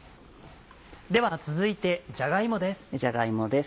では続いてじゃが芋です。